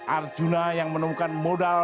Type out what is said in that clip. arjuna yang menemukan modal